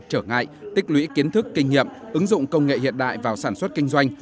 trở ngại tích lũy kiến thức kinh nghiệm ứng dụng công nghệ hiện đại vào sản xuất kinh doanh